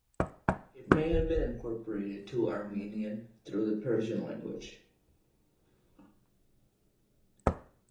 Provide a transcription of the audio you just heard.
It may have been incorporated to Armenian through the Persian language.